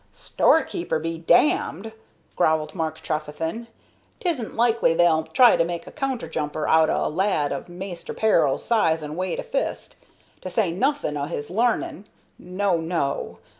"Store keeper be danged!" growled Mark Trefethen. "'Tisn't likely they'll try to make a counter jumper outen a lad of Maister Peril's size and weight o' fist, to say nothing of his l'arnin'. No, no.